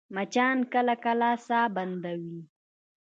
مچان کله کله ساه بندوي